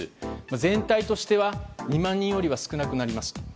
全体としては２万人よりは少なくなりますと。